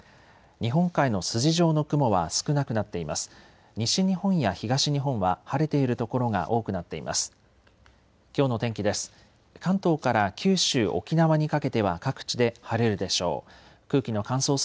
日本海の筋状の雲は少なくなっています。